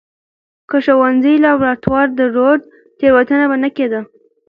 که ښوونځي لابراتوار درلود، تېروتنه به نه کېده.